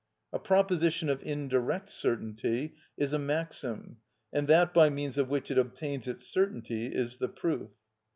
A proposition of indirect certainty is a maxim, and that by means of which it obtains its certainty is the proof.